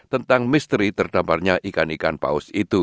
tentang misteri terdamparnya ikan ikan paus itu